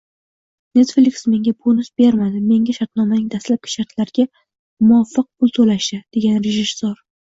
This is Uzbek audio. Netflix menga bonus bermadi, menga shartnomaning dastlabki shartlariga muvofiq pul to‘lashdi”, — degan rejissor